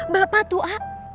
bapak tuh ah